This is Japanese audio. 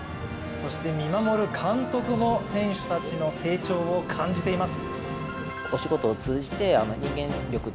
そして見守る監督も選手たちの成長を感じています。